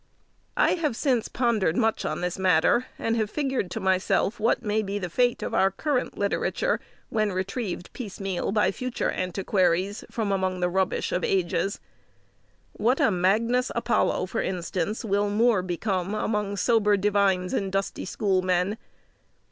I have since pondered much on this matter, and have figured to myself what may be the fate of our current literature, when retrieved piecemeal by future antiquaries, from among the rubbish of ages. What a Magnus Apollo, for instance, will Moore become among sober divines and dusty schoolmen!